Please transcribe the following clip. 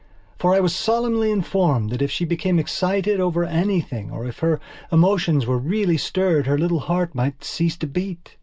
For I was solemnly informed that if she became excited over anything or if her emotions were really stirred her little heart might cease to beat.